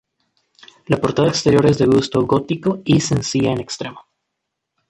La portada exterior es de gusto gótico y sencilla en extremo.